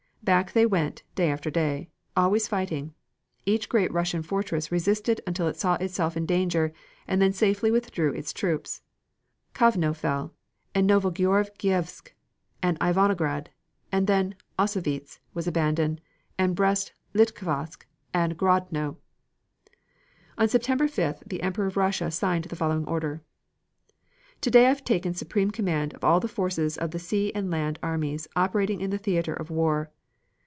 Back they went, day after day, always fighting; each great Russian fortress resisted until it saw itself in danger, and then safely withdrew its troops. Kovno fell and Novogeorgievsk, and Ivangorad, then Ossowietz was abandoned, and Brest Litovsk and Grodno. On September 5th the Emperor of Russia signed the following order: Today I have taken supreme command of all the forces of the sea and land armies operating in the theater of war.